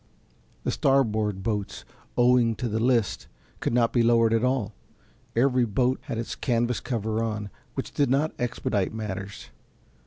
The starboard boats, owing to the list, could not be lowered at all; every boat had its canvas cover on, which did not expedite matters.